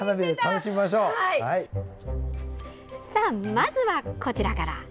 まずは、こちらから。